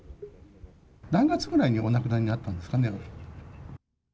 何月くらいにお亡くなりになったんですかね。